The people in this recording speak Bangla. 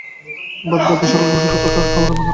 বাদ বাকী সকলে তো শুধু কথা কওয়ার যন্ত্রমাত্র।